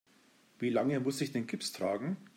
Wie lange muss ich den Gips tragen?